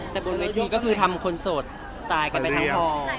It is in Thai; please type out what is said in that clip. แต่บนเวทีก็คือทำคนโสดตายกันไปทั้งพอ